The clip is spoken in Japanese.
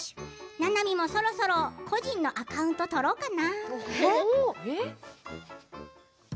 ななみもそろそろ個人のアカウントとろうかな。